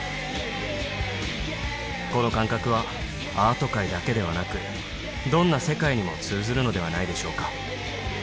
この感覚はアート界だけではなくどんな世界にも通ずるのではないでしょうか